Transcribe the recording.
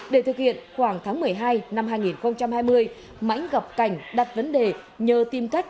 để thực hiện khoảng tháng một mươi hai năm hai nghìn hai mươi mãnh gặp cảnh đặt vấn đề nhờ tìm cách